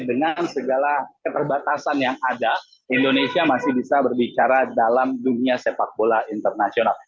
dengan segala keterbatasan yang ada indonesia masih bisa berbicara dalam dunia sepak bola internasional